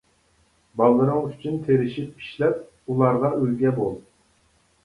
بالىلىرىڭ ئۈچۈن تىرىشىپ ئىشلەپ ئۇلارغا ئۈلگە بول.